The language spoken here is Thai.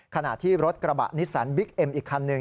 ขณะที่รถกระบะนิสสันบิ๊กเอ็มอีกคันหนึ่ง